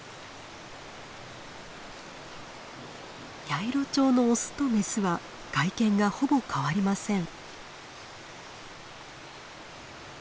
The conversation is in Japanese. ヤイロチョウのオスとメスは外見がほぼ変わりません。